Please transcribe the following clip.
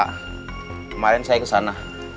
kemarin saya kesana